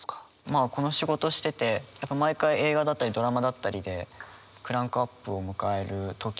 まあこの仕事しててやっぱ毎回映画だったりドラマだったりでクランクアップを迎える時がそれに近いのかなって。